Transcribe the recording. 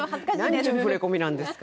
なんちゅう触れ込みなんですか。